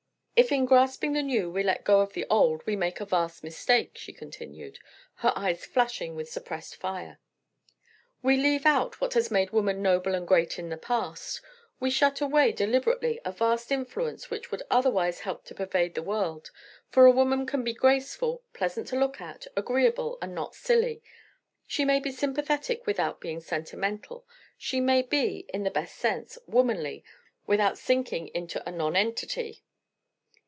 "If in grasping the new we let go of the old, we make a vast mistake," she continued, her eyes flashing with suppressed fire. "We leave out what has made woman noble and great in the past. We shut away deliberately a vast influence which would otherwise help to pervade the world, for a woman can be graceful, pleasant to look at, agreeable, and not silly. She may be sympathetic without being sentimental. She may be, in the best sense, womanly without sinking into a nonentity."